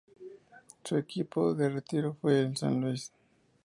Su equipo de retiro fue el San Luis.